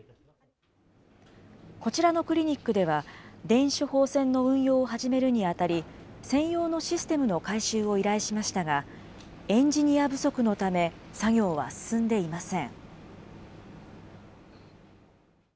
こちらのクリニックでは、電子処方箋の運用を始めるにあたり、専用のシステムの改修を依頼しましたが、エンジニア不足のため、作業は進んでいません。